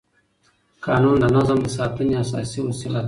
قانون د نظم د ساتنې اساسي وسیله ده.